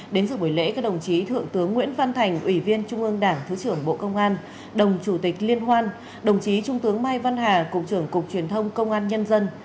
đến sự buổi lễ các đồng chí thượng tướng nguyễn văn thành ủy viên trung ương đảng thứ trưởng bộ công an đồng chủ tịch liên hoan đồng chí trung tướng mai văn hà cục trưởng cục truyền thông công an nhân dân